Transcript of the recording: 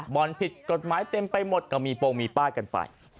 ผิดกฎหมายเต็มไปหมดก็มีโปรงมีป้ายกันไป